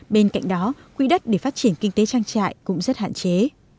bên cạnh đó quỹ đất để phát triển kinh tế trang trại cũng rất hạn chế